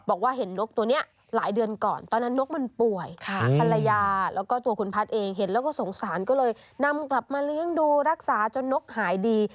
บอกว่าเห็นนกตัวนี้หลายเดือนก่อนตอนนั้นนกมันป่วยภรรยาแล้วก็ตัวคุณพัฒน์เองเห็นแล้วก็สงสารก็เลยนำกลับมาเลี้ยงดูรักษาจนนกหายดี